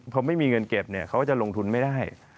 พอไม่มีเงินเก็บเขาก็จะลงทุนไม่ได้